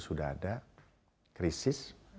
sudah ada krisis